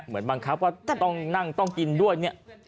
เหมือนบังคับว่าต้องนั่งต้องกินด้วยเนี่ย